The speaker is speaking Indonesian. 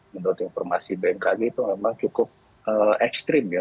menurut informasi bmkg itu memang cukup ekstrim ya